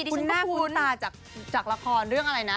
คุณแม่คุ้นตาจากละครเรื่องอะไรนะ